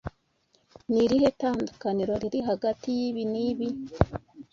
Ni irihe tandukaniro riri hagati yibi n'ibi?